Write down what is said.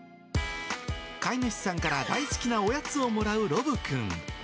飼い主さんから大好きなおやつをもらうロブくん。